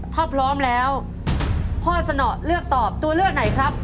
ถ้าพร้อมแล้วพ่อสนอเลือกตอบตัวเลือกไหนครับ